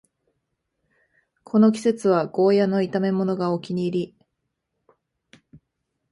この季節はゴーヤの炒めものがお気に入り